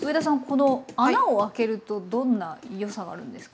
この穴を開けるとどんなよさがあるんですか？